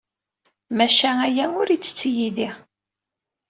Maca aya ur ittett yid-i.